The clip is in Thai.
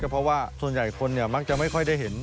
เพราะว่าส่วนใหญ่คนมักจะไม่ค่อยได้เห็น